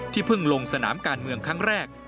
เพิ่งลงสนามการเมืองครั้งแรก